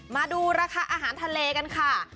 มาดูราคาอาหารทะเลกันค่ะ